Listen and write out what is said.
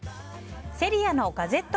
セリアのガゼット